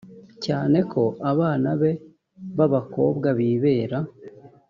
cyane ko abana be b abakobwa bibera